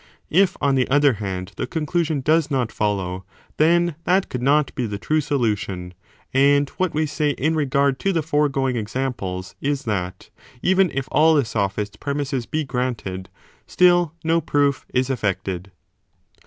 If, on the other hand, the conclusion does not follow, then that could not be the true solution : and what we say in regard to the foregoing examples is that, even if all the sophist s premisses be granted, still no proof is effected.